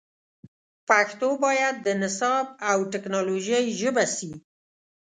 پښتو باید د نصاب او ټکنالوژۍ ژبه سي